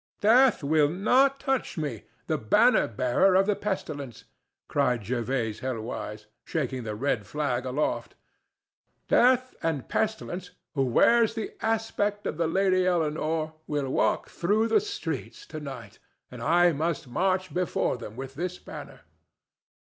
"Death will not touch me, the banner bearer of the pestilence," cried Jervase Helwyse, shaking the red flag aloft. "Death and the pestilence, who wears the aspect of the Lady Eleanore, will walk through the streets to night, and I must march before them with this banner."